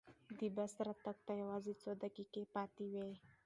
د بس راتګ ته یوازې څو دقیقې پاتې وې.